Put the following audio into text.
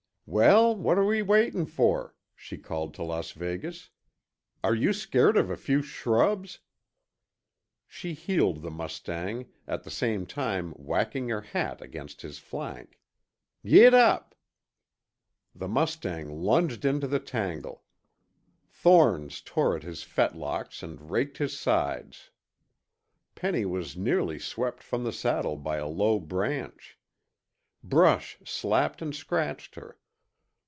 "Well, what're we waiting for?" she called to Las Vegas. "Are you scared of a few shrubs?" She heeled the mustang, at the same time whacking her hat against his flank. "Giddup!" The mustang lunged into the tangle. Thorns tore at his fetlocks and raked his sides. Penny was nearly swept from the saddle by a low branch. Brush slapped and scratched her.